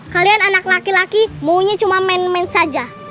kalian anak laki laki maunya cuma main main saja